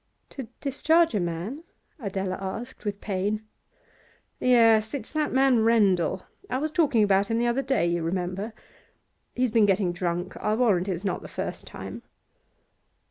'To discharge a man?' Adela asked, with pain. 'Yes. It's that man Rendal; I was talking about him the other day, you remember. He's been getting drunk; I'll warrant it's not the first time.